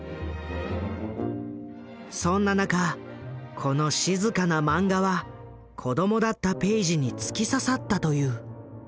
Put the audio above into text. そんな中この静かなマンガは子供だったペイジに突き刺さったという。